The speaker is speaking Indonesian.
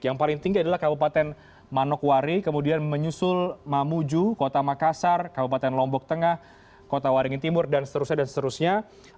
yang paling tinggi adalah kabupaten manokwari kemudian menyusul mamuju kota makassar kabupaten lombok tengah kota waringin timur dan seterusnya dan seterusnya